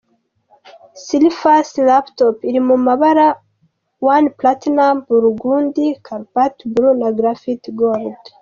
Surface Laptop iri mu mabara ane; platinum, burgundy, cobalt blue, na graphite gold.